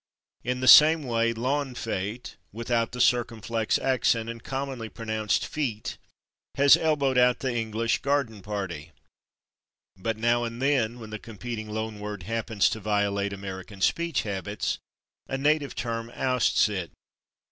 In the same way /lawn fete/ (without the circumflex accent, and commonly pronounced /feet/) has elbowed out the English /garden party/. But now and then, when the competing loan word happens to violate American speech habits, a native term ousts it.